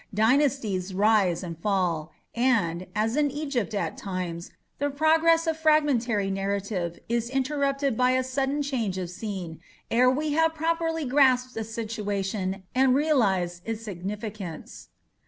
Dynasties rise and fall, and, as in Egypt at times, the progress of the fragmentary narrative is interrupted by a sudden change of scene ere we have properly grasped a situation and realized its significance.